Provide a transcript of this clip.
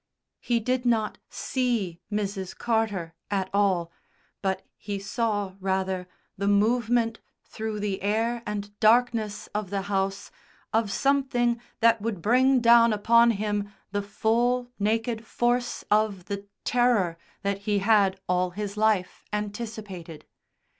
He did not see Mrs. Carter at all, but he saw rather the movement through the air and darkness of the house of something that would bring down upon him the full naked force of the Terror that he had all his life anticipated.